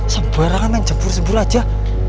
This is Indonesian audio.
sebarang main jembur jembur aja